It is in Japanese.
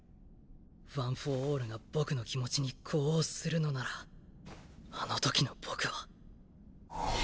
ワン・フォー・オールが僕の気持ちに呼応するのならあの時の僕は。